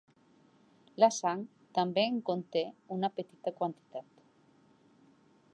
La sang també en conté una petita quantitat.